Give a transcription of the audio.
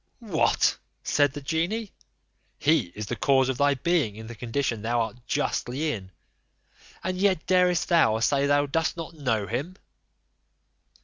"What!" said the genie, "he is the cause of thy being in the condition thou art justly in; and yet darest thou say thou cost not know him?"